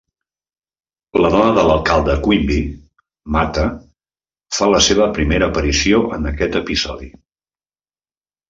La dona de l'alcalde Quimby, Martha, fa la seva primera aparició en aquest episodi.